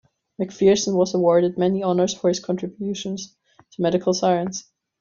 Macpherson was awarded many honours for his contributions to medical science.